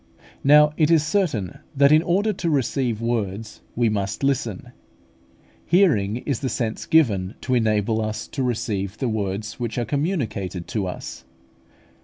Now it is certain that in order to receive words we must listen. Hearing is the sense given to enable us to receive the words which are communicated to us.